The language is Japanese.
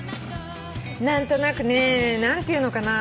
何となくね何て言うのかな。